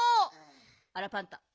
あらパンタ